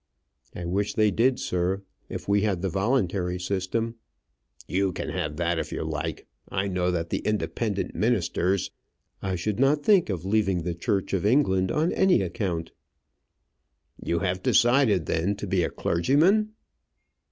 "I wish they did, sir. If we had the voluntary system " "You can have that if you like. I know that the Independent ministers " "I should not think of leaving the Church of England on any account." "You have decided, then, to be a clergyman?"